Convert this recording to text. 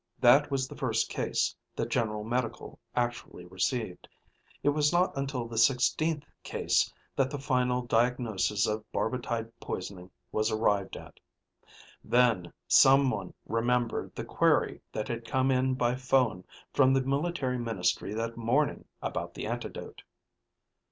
That was the first case that General Medical actually received. It was not until the sixteenth case that the final diagnosis of barbitide poisoning was arrived at. Then someone remembered the query that had come in by phone from the military ministry that morning about the antidote.